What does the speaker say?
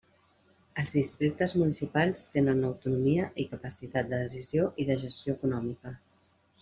Els districtes municipals tenen autonomia i capacitat de decisió i de gestió econòmica.